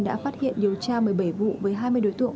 đã phát hiện điều tra một mươi bảy vụ với hai mươi đối tượng